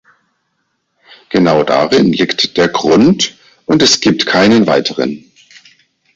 Genau darin liegt der Grund, und es gibt keinen weiteren.